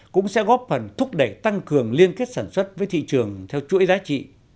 cũng sẽ góp phần thúc đẩy tăng cường liên kết sản xuất với thị trường theo chuỗi giá trị